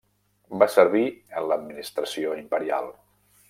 Va servir en l'Administració imperial.